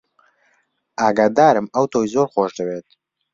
ئاگادارم ئەو تۆی زۆر خۆش دەوێت.